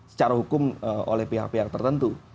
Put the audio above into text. secara hukum oleh pihak pihak tertentu